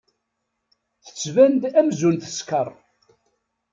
Tettban-d amzun teskeṛ.